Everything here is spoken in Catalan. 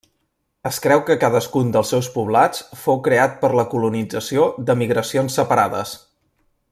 Es creu que cadascun dels seus poblats fou creat per la colonització de migracions separades.